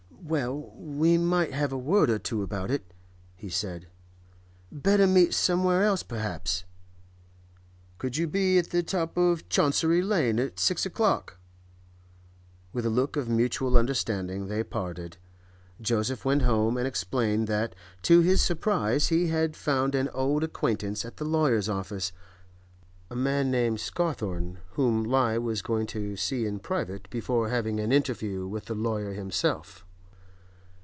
'Well, we might have a word or two about it,' he said. 'Better meet somewhere else, perhaps?' 'Could you be at the top of Chancery Lane at six o'clock?' With a look of mutual understanding, they parted. Joseph went home, and explained that, to his surprise, he had found an old acquaintance at the lawyer's office, a man named Scawthorne, whom he was going to see in private before having an interview with the lawyer himself.